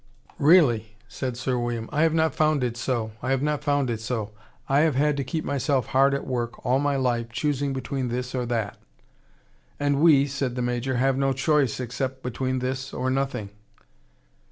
"Really!" said Sir William. "I have not found it so. I have not found it so. I have had to keep myself hard at work, all my life, choosing between this or that." "And we," said the Major, "have no choice, except between this or nothing."